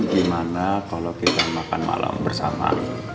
gimana kalau kita makan malam bersama